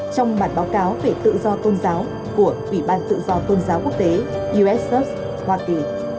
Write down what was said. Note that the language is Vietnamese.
trong bản báo cáo về tự do tôn giáo của ủy ban tự do tôn giáo quốc tế uss hoa kỳ